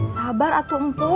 sabar atuh empok